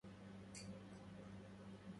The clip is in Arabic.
تمّ اعتقال ليلى في القاهرة.